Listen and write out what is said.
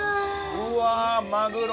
うわマグロ！